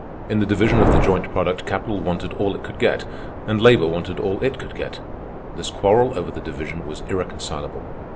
In the division of the joint product, capital wanted all it could get, and labor wanted all it could get. This quarrel over the division was irreconcilable.